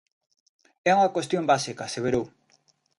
É unha cuestión básica, aseverou.